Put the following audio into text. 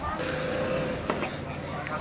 สวัสดีครับ